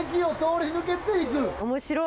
面白い！